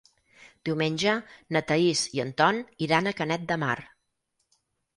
Diumenge na Thaís i en Ton iran a Canet de Mar.